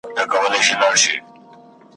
چي هر لوري ته یې واچول لاسونه ,